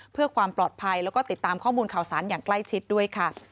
เพื่อความปลอดภัยแล้วก็ติดตามข้อมูลข่าวสารอย่างใกล้ชิดด้วยค่ะ